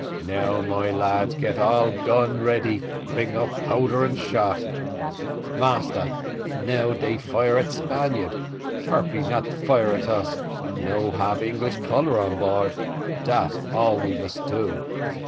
Now, my lads, get all gun ready, bring up powder and shot. Massa, now us fire at Spaniard Harpy not fire at us no ab English colours on board dat all we must do."